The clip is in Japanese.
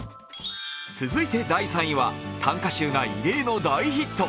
続いて第３位は、短歌集が異例の大ヒット。